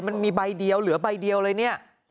มันมีใบเดียวเหลือใบเดียวเลยเนี่ย